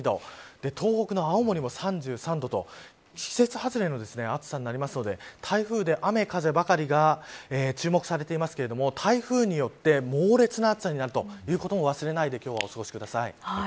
東北の青森も３３度と季節外れの暑さになりますので台風で雨風ばかりが注目されていますが台風によって猛烈な暑さになることも忘れないで今日は、お過ごしください。